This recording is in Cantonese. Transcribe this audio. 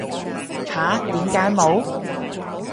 吓？點解冇